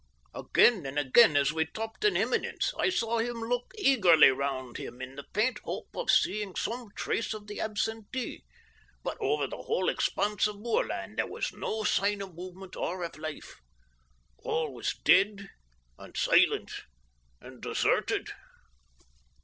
Again and again as we topped an eminence I saw him look eagerly round him in the faint hope of seeing some trace of the absentee, but over the whole expanse of moorland there was no sign of movement or of life. All was dead and silent and deserted.